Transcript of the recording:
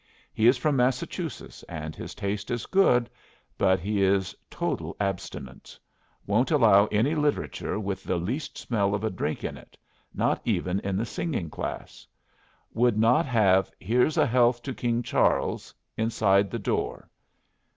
"He is from Massachusetts, and his taste is good, but he is total abstinence. Won't allow any literature with the least smell of a drink in it, not even in the singing class. Would not have 'Here's a health to King Charles' inside the door.